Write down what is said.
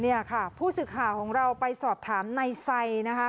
เนี่ยค่ะผู้สื่อข่าวของเราไปสอบถามในไซนะคะ